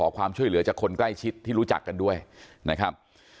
ความช่วยเหลือจากคนใกล้ชิดที่รู้จักกันด้วยนะครับ